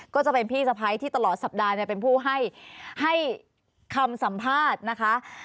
ก็จะเป็นพี่สะพ้ายที่ตลอดสัปดาห์เนี่ยเป็นผู้ให้คำสัมภาษณ์นะคะ